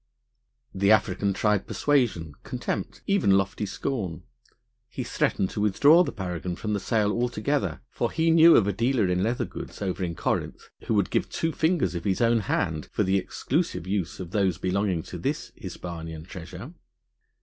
The African tried persuasion, contempt, even lofty scorn; he threatened to withdraw the paragon from the sale altogether, for he knew of a dealer in leather goods over in Corinth who would give two fingers of his own hand for the exclusive use of those belonging to this Hispanian treasure.